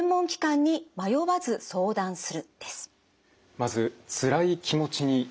まず「つらい気持ちに寄り添う」。